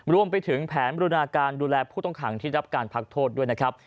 รวมไปถึงแผนบรุณาการดูแลผู้ต้องขังที่รับการพักโทษด้วยนะครับ